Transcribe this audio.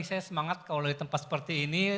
saya semangat kalau di tempat seperti ini